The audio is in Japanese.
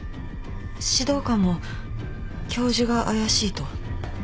指導官も教授が怪しいと？